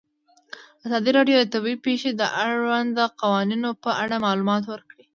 ازادي راډیو د طبیعي پېښې د اړونده قوانینو په اړه معلومات ورکړي.